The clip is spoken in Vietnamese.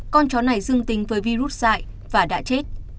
con chó này dương tính với virus dại và đã chết